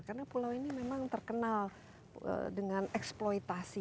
karena pulau ini memang terkenal dengan eksploitasi